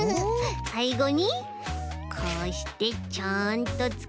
さいごにこうしてちょんとつければ。